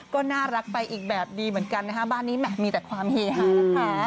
ก็น่ารักไปอีกแบบดีเหมือนกันนะคะบ้านนี้แหมมีแต่ความเฮฮานะคะ